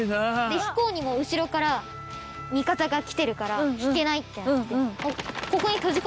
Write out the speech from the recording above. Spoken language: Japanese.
で引こうにも後ろから味方が来てるから引けないってなって。